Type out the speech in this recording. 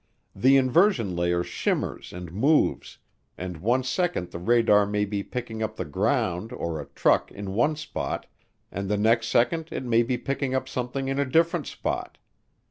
The inversion layer shimmers and moves, and one second the radar may be picking up the ground or a truck in one spot and the next second it may be picking up something in a different spot.